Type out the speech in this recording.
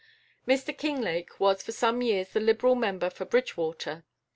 Mr Kinglake was for some years the Liberal member for Bridgewater.